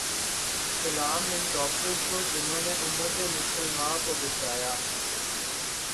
سلام ان ڈاکٹرز کو جہنوں نے امت مسلماں کو بچایا